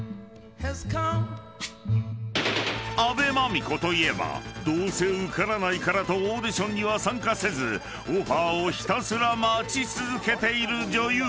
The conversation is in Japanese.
［阿部真美子といえばどうせ受からないからとオーディションには参加せずオファーをひたすら待ち続けている女優］